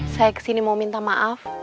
saya kesini mau minta maaf